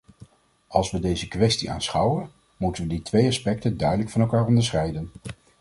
Als we deze kwestie aanschouwen, moeten we die twee aspecten duidelijk van elkaar onderscheiden.